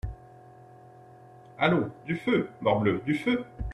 Allons, du feu ! morbleu ! du feu !